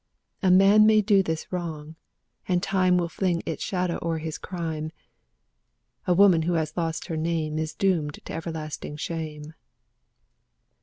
A man may do this wrong, and time Will fling its shadow o'er his crime; A woman who has lost her name Is doomed to everlasting shame.